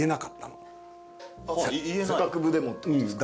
学部でもってことですか？